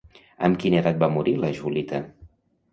Amb quina edat va morir la Julita?